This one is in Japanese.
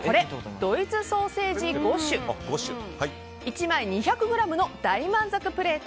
ドイツソーセージ５種１枚２００ｇの大満足プレート！